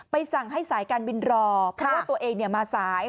สั่งให้สายการบินรอเพราะว่าตัวเองมาสาย